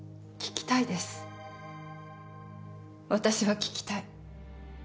私は聞きたい。